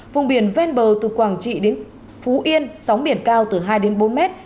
vùng biển ven bờ từ quảng trị đến phú yên sóng biển cao từ hai bốn m